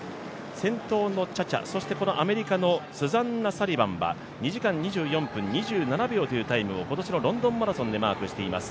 先頭のチャチャ、そしてアメリカのスザンナ・サリバンは２時間２４分２７秒というタイムを今年のロンドンマラソンでマークしています。